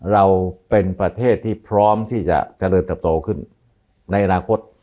เราเป็นประเทศที่พร้อมที่จะเจริญเติบโตขึ้นในอนาคต